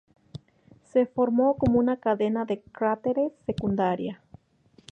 Se formó como una cadena de cráteres secundaria.